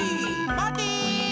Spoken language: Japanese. まて！